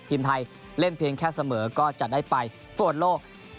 ทีมไทยเล่นเพียงแค่เสมอก็จะได้ไปฟวนโลก